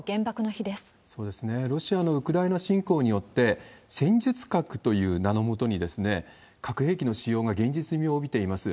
ロシアのウクライナ侵攻によって、戦術核という名の下に、核兵器の使用が現実味を帯びています。